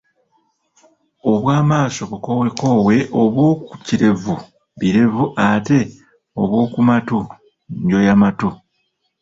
Obw’amaaso bukowekowe obw’okukalevu birevu ate obw’oku matu njoyamatu.